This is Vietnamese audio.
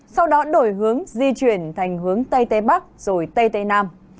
sau đó đổi hướng di chuyển thành hướng tây tây bắc rồi tây tây nam